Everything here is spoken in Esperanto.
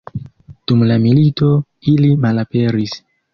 Dum la milito ili malaperis.